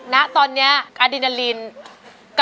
ร้องได้ให้ร้อง